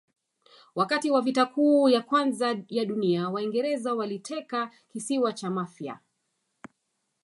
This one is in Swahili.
wakati wa vita kuu ya kwanza ya dunia waingereza waliteka kisiwa cha mafia